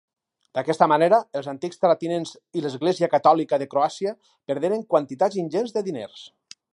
D'aquesta manera, els antics terratinents i l'Església Catòlica de Croàcia perderen quantitats ingents de diners.